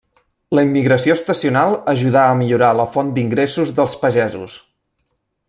La immigració estacional ajudà a millorar la font d'ingressos dels pagesos.